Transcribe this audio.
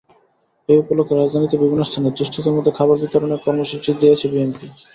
এ উপলক্ষে রাজধানীতে বিভিন্ন স্থানে দুস্থদের মধ্যে খাবার বিতরণের কর্মসূচি দিয়েছে বিএনপি।